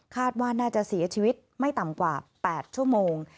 ว่าน่าจะเสียชีวิตไม่ต่ำกว่า๘ชั่วโมง